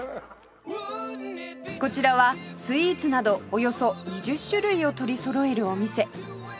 こちらはスイーツなどおよそ２０種類を取りそろえるお店